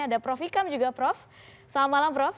ada prof ikam juga prof selamat malam prof